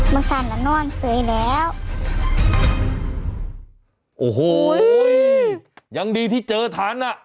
เข้า